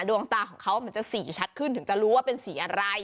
ดวงตาของเขามันจะสีชัดขึ้นถึงจะรู้ว่าเป็นสีอะไร